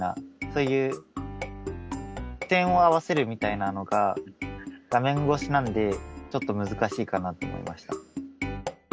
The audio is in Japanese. そういう視線を合わせるみたいなのが画面越しなんでちょっと難しいかなと思いました。